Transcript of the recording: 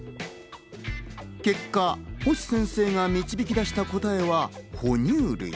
結果、星先生が導き出した答えは哺乳類。